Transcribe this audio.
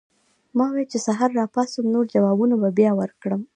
ما وې چې سحر راپاسم نور جوابونه به بیا ورکړم